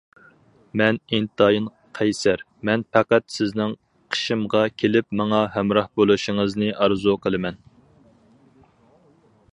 مەن ئىنتايىن قەيسەر، مەن پەقەت سىزنىڭ قېشىمغا كېلىپ ماڭا ھەمراھ بولۇشىڭىزنى ئارزۇ قىلىمەن.